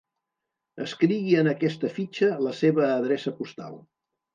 Escrigui en aquesta fitxa la seva adreça postal.